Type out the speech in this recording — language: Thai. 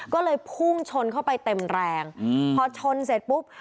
ก็เลยพุ่งชนเข้าไปเต็มแรงอืมพอชนเสร็จปุ๊บ